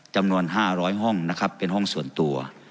จำนวน๕๐๐ห้องนะครับเป็นห้องส่วนตัว